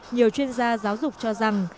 nhiều chuyên gia giáo dục cho rằng